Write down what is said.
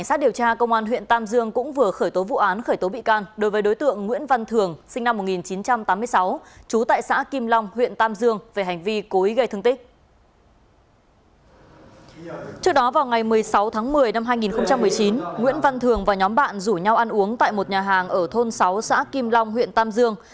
sau ngày một mươi sáu tháng một mươi năm hai nghìn một mươi chín nguyễn văn thường và nhóm bạn rủ nhau ăn uống tại một nhà hàng ở thôn sáu xã kim long huyện tam dương